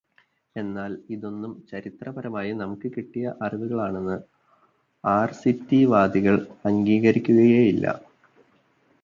എന്നാൽ, ഇതൊന്നും ചരിത്രപരമായി നമുക്ക് കിട്ടിയ അറിവുകളാണെന്ന് ആർസിറ്റിവാദികൾ അംഗീകരിക്കുകയേ ഇല്ല.